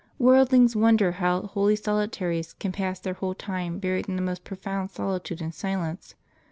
Worldlings wonder how holy soli taries can pass their whole time buried in the most pro found solitude and silence.